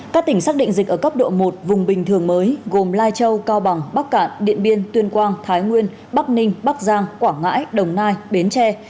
các tỉnh xác định dịch ở cấp độ một vùng bình thường mới gồm lai châu cao bằng bắc cạn điện biên tuyên quang thái nguyên bắc ninh bắc giang quảng ngãi đồng nai bến tre